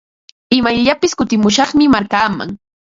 Imayllapis kutimushaqmi markaaman.